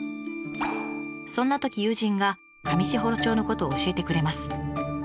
そんなとき友人が上士幌町のことを教えてくれます。